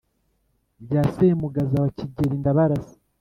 bya Semugaza wa Kigeli Ndabarasa